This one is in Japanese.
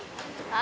あ！